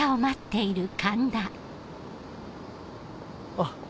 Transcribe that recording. あっ。